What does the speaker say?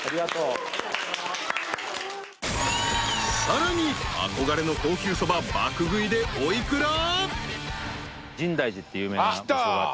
［さらに憧れの高級そば爆食いでお幾ら？］